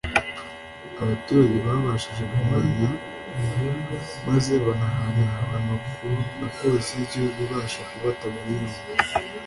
Abaturage babashije kubamenya maze bahanahana amakuru na Polisi y’igihugu ibasha kubata muri yombi